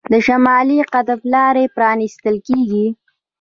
د شمالي قطب لارې پرانیستل کیږي.